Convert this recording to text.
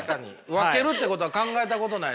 分けるってことは考えたことないですね。